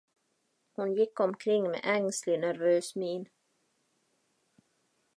Hon gick omkring med ängslig, nervös min.